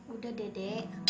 udah deh deh